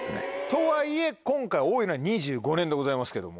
とはいえ今回多いのは２５年でございますけども。